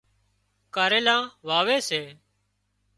ڪاريلان واوي سي